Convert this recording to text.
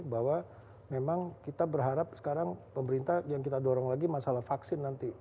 bahwa memang kita berharap sekarang pemerintah yang kita dorong lagi masalah vaksin nanti